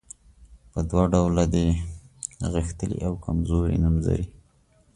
په دوه ډوله دي غښتلي او کمزوري نومځري.